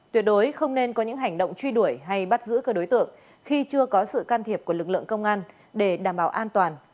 tuyệt đối không nên có những hành động truy đuổi hay bắt giữ các đối tượng khi chưa có sự can thiệp của lực lượng công an để đảm bảo an toàn